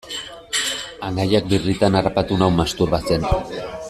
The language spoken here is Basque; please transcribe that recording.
Anaiak birritan harrapatu nau masturbatzen.